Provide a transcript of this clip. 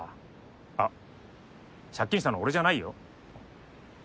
あっ借金したの俺じゃないよ。